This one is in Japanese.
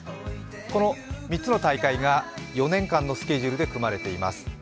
この３つの大会が４年間のスケジュールで組まれています。